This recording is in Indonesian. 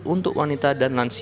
untuk wanita dan laki laki